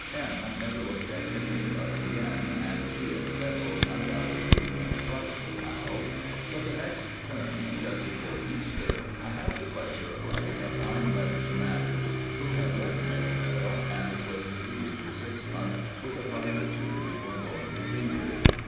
M. never looked at any of us again, and she and Steggles undoubtedly became frightful pals; but the next term, just before Easter, I had the pleasure of writing a fine letter to Mathers, who had left Merivale, and was reading for six months with a private tutor before going to Cambridge.